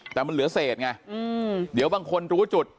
แต่มันเหลือเศษไงเดี๋ยวบางคนรู้จุด